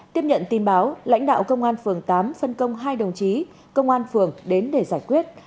tiếp nhận tin báo lãnh đạo công an phường tám phân công hai đồng chí công an phường đến để giải quyết